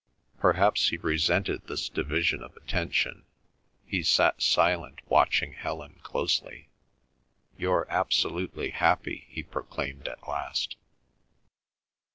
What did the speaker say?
Perhaps he resented this division of attention. He sat silent watching Helen closely. "You're absolutely happy," he proclaimed at last.